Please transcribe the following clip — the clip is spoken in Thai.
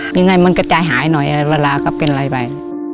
ยังไงมันกระจายหายหน่อยเวลาก็เป็นอะไรไป